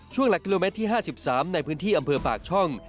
หลักกิโลเมตรที่๕๓ในพื้นที่อำเภอปากช่อง